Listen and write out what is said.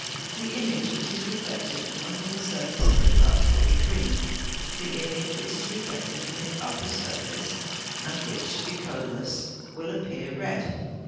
The image which is reflected from the under surface of the glass will be green; the image which is reflected from the upper surface, and which should be colourless, will appear red.